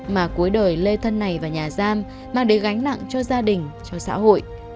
mà cuối đời lê thân này vào nhà giam mang đến gánh nặng cho gia đình cho xã hội